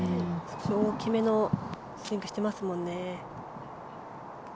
大きめのスイングしてますもんね。